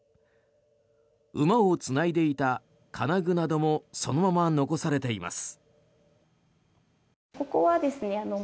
馬をつないでいた金具などもそのまま残されています。